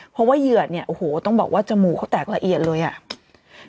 เพราะว่าเหยื่อเนี่ยโอ้โหต้องบอกว่าจมูกเขาแตกละเอียดเลยอ่ะ